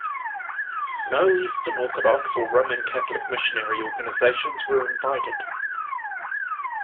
No Eastern Orthodox or Roman Catholic missionary organisations were invited.